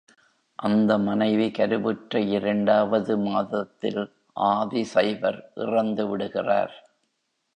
அந்த மனைவி கருவுற்ற இரண்டாவது மாதத்தில் ஆதி சைவர் இறந்து விடுகிறார்.